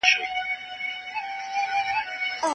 ابو صالح له ابن عباس رضي الله عنهما څخه روايت کوي.